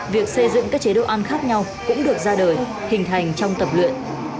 việc xây dựng các chế độ ăn khác nhau cũng được ra đời hình thành trong tập luyện